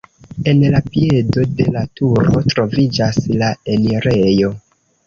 En la piedo de la turo troviĝas la enirejo.